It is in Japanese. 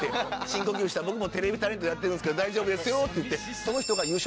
深呼吸したら僕もテレビタレントやってるんですけど大丈夫ですよって言って。